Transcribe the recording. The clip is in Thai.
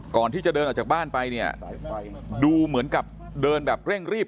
ก่อนที่จะเดินออกจากบ้านไปเนี่ยดูเหมือนกับเดินแบบเร่งรีบ